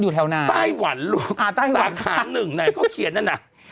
ใต้หวันลูกสาขาหนึ่งไหนเขาเขียนนั่นนะ